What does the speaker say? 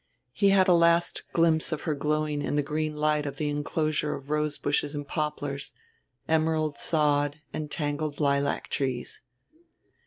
He had a last glimpse of her glowing in the green light of the inclosure of rose bushes and poplars, emerald sod and tangled lilac trees.